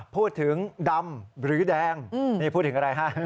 พูดถึงดำหรือแดงนี่พูดถึงอะไรฮะ